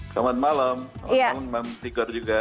selamat malam selamat malam bang tigor juga